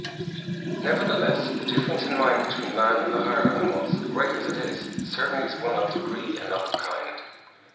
Nevertheless the difference in mind between man and the higher animals, great as it is, certainly is one of degree and not of kind.